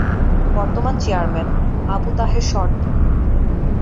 বর্তমান চেয়ারম্যান- আবু তাহের সরদার